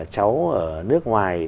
cháu ở nước ngoài